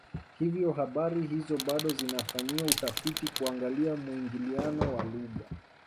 Hivyo habari hizi bado zinafanyiwa utafiti kuangalia muingiliano wa lugha